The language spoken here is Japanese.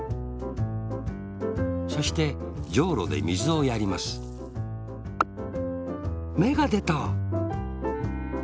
そしてじょうろでみずをやりますめがでた。